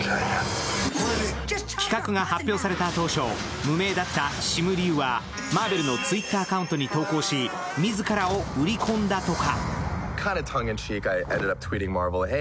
企画が発表された当初無名だったシム・リウはマーベルのＴｗｉｔｔｅｒアカウントに投稿し、自らを売り込んだとか。